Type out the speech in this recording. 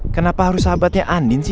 kenapa harus sahabatnya andin sih